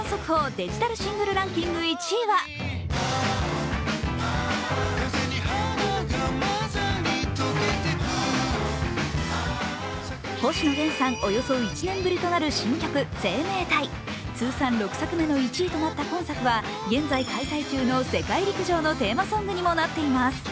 デジタルシングルランキング１位は星野源さん、およそ１年ぶりとなる新曲「生命体」。通算６作目の１位となった今作は現在開催中の世界陸上のテーマソングにもなっています。